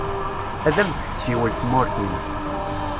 Ad am-d-tessiwel tmurt-im.